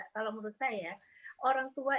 kalau menurut saya orang tua